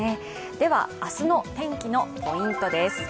明日の天気のポイントです。